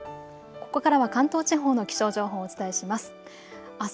ここからは関東地方の気象情報をお伝えします。